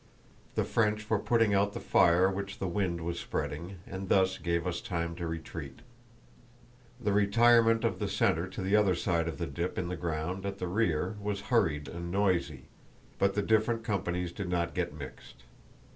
The French were putting out the fire which the wind was spreading, and thus gave us time to retreat. The retirement of the center to the other side of the dip in the ground at the rear was hurried and noisy, but the different companies did not get mixed.